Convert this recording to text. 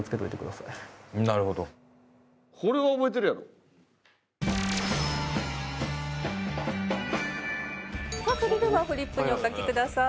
さあそれではフリップにお書きください。